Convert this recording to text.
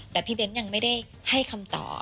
แต่พี่เบ้นยังไม่ได้ให้คำตอบ